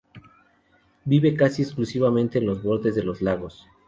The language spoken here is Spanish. Vive casi que exclusivamente en los bordes de los lagos.